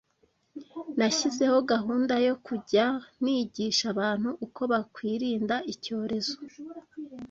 Nashyizeho gahunda yo kujya nigisha abantu uko bakwirinda icyorezo